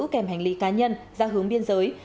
kèm hành lý cá nhân ra hướng biên giới